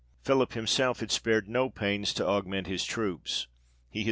73 Philip himself had spared no pains to augment his troops : he had thro.